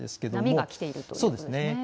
波が来ているということですね。